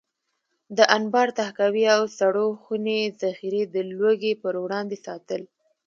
د انبار، تحکاوي او سړو خونې ذخیرې د لوږې پر وړاندې ساتل.